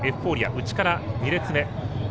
内から２列目。